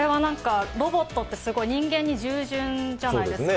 ロボットってすごい人間に従順じゃないですか。